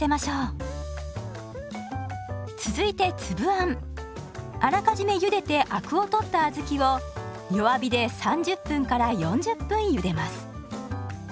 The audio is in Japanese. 続いてあらかじめゆでてアクを取った小豆を弱火で３０分４０分ゆでます。